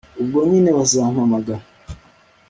ubwo nyine bazampamagara